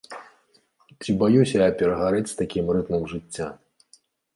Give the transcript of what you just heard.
Ці баюся я перагарэць з такім рытмам жыцця?